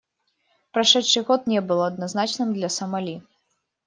Прошедший год не был однозначным для Сомали.